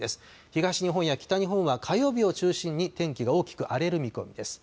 東日本や北日本は火曜日を中心に天気が大きく荒れる見込みです。